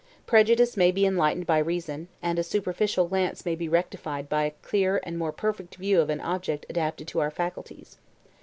Prejudice may be enlightened by reason, and a superficial glance may be rectified by a clear and more perfect view of an object adapted to our faculties.